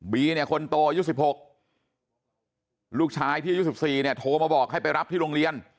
บีคนโตยุค๑๖ลูกชายที่ยุค๑๔โทรมาบอกให้ไปรับที่โรงเรียน